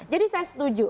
jadi saya setuju